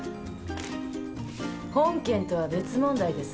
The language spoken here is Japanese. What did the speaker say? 本件とは別問題です。